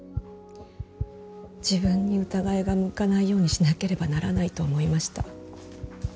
自分に疑いが向かないようにしなければならないと思いました。